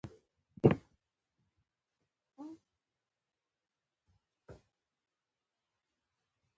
افغانستان د بزګان لپاره مشهور دی.